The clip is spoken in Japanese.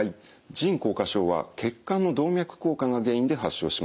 腎硬化症は血管の動脈硬化が原因で発症します。